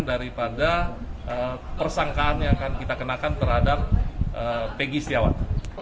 daripada persangkaan yang akan kita kenakan terhadap pegi setiawan